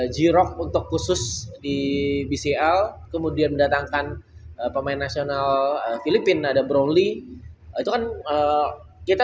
grock untuk khusus di bcl kemudian mendatangkan pemain nasional filipina ada browly itu kan kita